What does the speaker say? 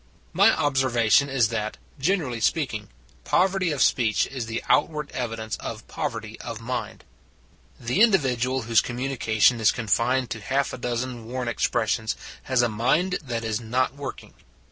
My observation is that, generally speak ing, poverty of speech is the outward evi dence of poverty of mind. The individual whose communication is confined to half a dozen worn expressions, has a mind that is not working.